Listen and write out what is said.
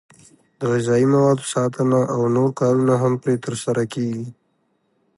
د غذایي موادو ساتنه او نور کارونه هم پرې ترسره کېږي.